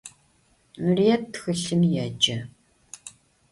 Nurıêt txılhım yêce.